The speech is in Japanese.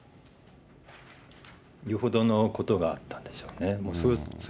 よほどのことがあったんでしょうね。